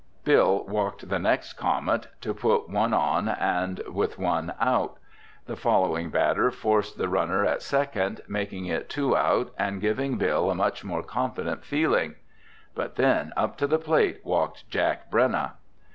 Bill walked the next Comet, to put one on and with one out. The following batter forced the runner at second, making it two out and giving Bill a much more confident feeling. But then up to the plate walked Jack Brenna!